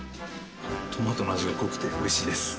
トマトの味が濃くておいしいです。